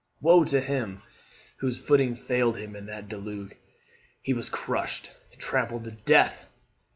Woe to him whose footing failed him in that deluge! He was crushed, trampled to death!